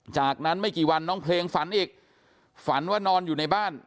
จากนั้นไม่กี่วันน้องเพลงฝันอีกฝันว่านอนอยู่ในบ้าน